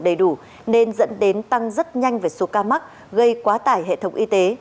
nếu biến chủng omicron đầy đủ nên dẫn đến tăng rất nhanh về số ca mắc gây quá tải hệ thống y tế